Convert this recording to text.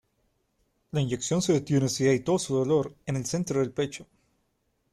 La inyección se detiene si hay tos o dolor en el centro del pecho.